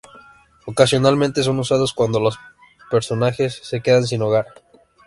Ocasionalmente son usados cuando los personajes se quedan sin hogar.